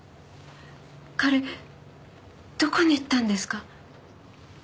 彼どこに行ったんですか？